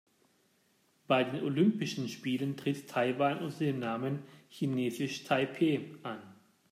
Bei den Olympischen Spielen tritt Taiwan unter dem Namen „Chinesisch Taipeh“ an.